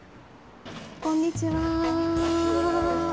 こんにちは。